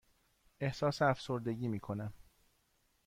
احساس افسردگی می کنم.